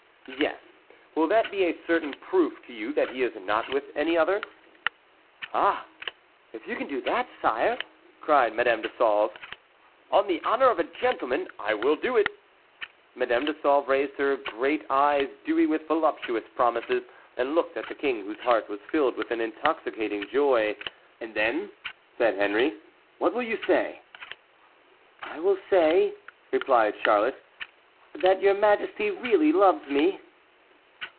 "Yes; will that be a certain proof to you that he is not with any other?" "Ah! if you do that, sire," cried Madame Sauve. "On the honor of a gentleman I will do it!" Madame de Sauve raised her great eyes dewy with voluptuous promises and looked at the king, whose heart was filled with an intoxicating joy. "And then," said Henry, "what will you say?" "I will say," replied Charlotte, "that your majesty really loves me."